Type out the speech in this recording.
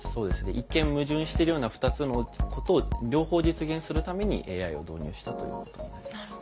一見矛盾してるような２つのことを両方実現するためにＡＩを導入したということになります。